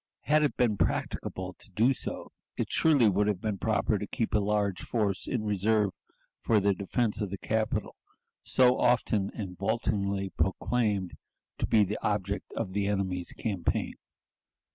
Had it been practicable to do so, it would surely have been proper to keep a large force in reserve for the defense of the capital, so often and vauntingly proclaimed to be the object of the enemy's campaign.